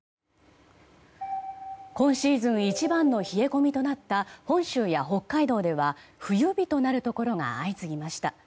今シーズン一番の冷え込みとなった本州や北海道では冬日となるところが相次ぎました。